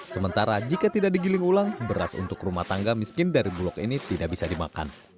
sementara jika tidak digiling ulang beras untuk rumah tangga miskin dari bulog ini tidak bisa dimakan